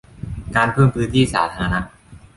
การเพิ่มพื้นที่สาธารณะ